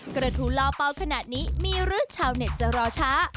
กระทู้ล่อเป้าขนาดนี้มีหรือชาวเน็ตจะรอช้า